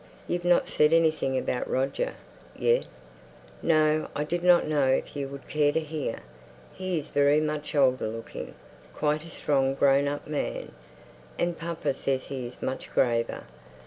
"You've not said anything about Roger, yet." "No; I didn't know if you would care to hear. He is very much older looking; quite a strong grown up man. And papa says he is much graver.